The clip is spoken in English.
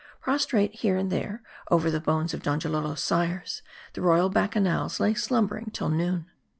Prostrate here and there over the bones of Donjalolo's sires, the royal bacchanals lay slumbering till noon.